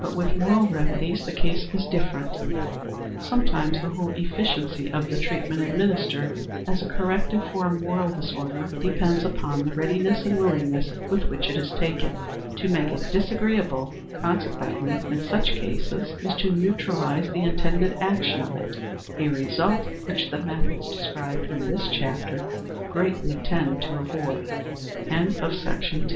But with moral remedies the case is different. Sometimes the whole efficiency of the treatment administered as a corrective for a moral disorder depends upon the readiness and willingness with which it is taken. To make it disagreeable, consequently, in such cases, is to neutralize the intended action of it a result which the methods described in this chapter greatly tend to avoid. CHAPTER IX.